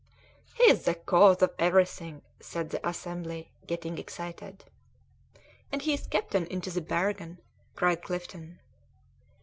"He's the cause of everything," said the assembly, getting excited. "And he's captain into the bargain!" cried Clifton.